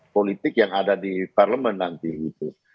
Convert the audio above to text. politik yang ada di parlemen nanti gitu